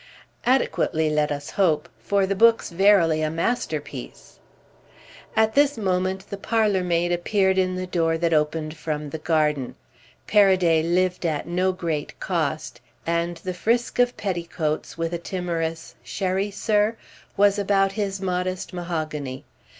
"Adequately, let us hope; for the book's verily a masterpiece." At this moment the parlour maid appeared in the door that opened from the garden: Paraday lived at no great cost, and the frisk of petticoats, with a timorous "Sherry, sir?" was about his modest mahogany.